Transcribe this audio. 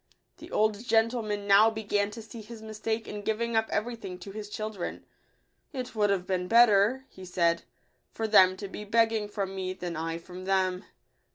The old gentleman now began to see his mistake in giving up every thing to his children. " It would have been better," he said, " for them to be begging from me, than I from them."